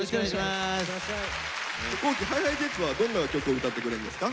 皇輝ＨｉＨｉＪｅｔｓはどんな曲を歌ってくれるんですか？